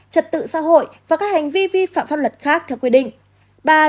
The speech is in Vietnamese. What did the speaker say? trật tự xã hội và các hành vi vi phạm pháp luật khác theo quy định